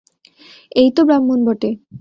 এই তো ব্রাহ্মণ বটে!